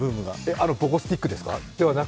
あのポゴスティックですか。